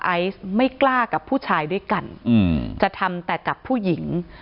ไอซ์ไม่กล้ากับผู้ชายด้วยกันจะทำแต่กับผู้หญิง